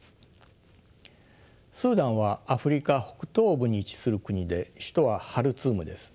スーダンはアフリカ北東部に位置する国で首都はハルツームです。